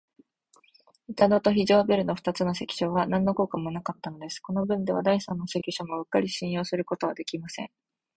板戸と非常ベルの二つの関所は、なんの効果もなかったのです。このぶんでは、第三の関所もうっかり信用することはできません。